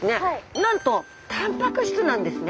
なんとたんぱく質なんですね。